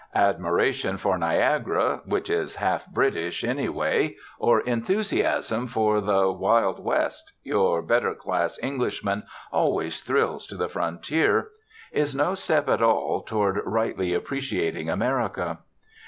Admiration for Niagara, which is half British anyway, or enthusiasm for the "Wild West" your better class Englishman always thrills to the frontier is no step at all toward rightly appreciating America.